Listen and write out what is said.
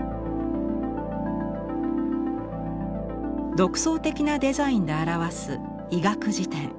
独創的なデザインで表す医学事典